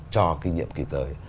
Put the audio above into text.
cho kinh nghiệm kỳ tới